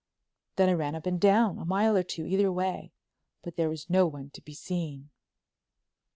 Then I ran up and down—a mile or two either way—but there was no one to be seen."